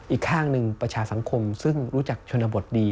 อีกข้างหนึ่งประชาสังคมซึ่งรู้จักชนบทดี